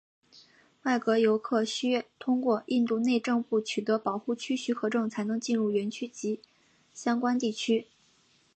外国游客需通过印度内政部取得保护区许可证才能进入园区内及相关地区。